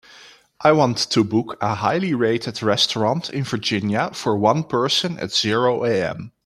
I want to book a highly rated restaurant in Virginia for one person at zero am.